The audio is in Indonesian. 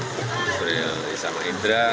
terima kasih pak idra